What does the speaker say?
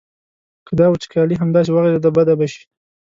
که دا وچکالي همداسې وغځېده بده به شي.